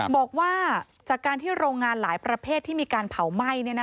บอกว่าจากการที่โรงงานหลายประเภทที่มีการเผาไหม้